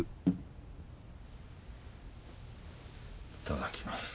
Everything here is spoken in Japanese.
いただきます。